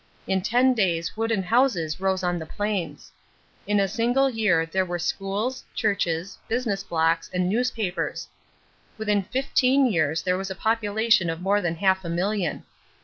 In ten days wooden houses rose on the plains. In a single year there were schools, churches, business blocks, and newspapers. Within fifteen years there was a population of more than half a million.